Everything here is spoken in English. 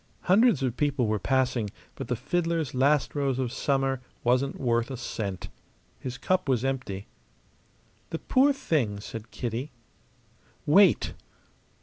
Hundreds of people were passing; but the fiddler's "Last Rose of Summer" wasn't worth a cent. His cup was empty. "The poor thing!" said Kitty. "Wait!"